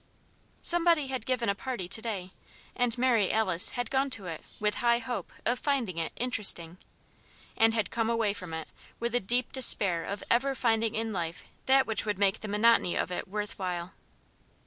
Somebody had given a party to day, and Mary Alice had gone to it with high hope of finding it "interesting" and had come away from it with a deep despair of ever finding in life that which would make the monotony of it worth while.